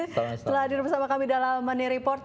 setelah hadir bersama kami dalam money report